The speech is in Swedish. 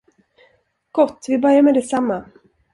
Gott, vi börjar med detsamma!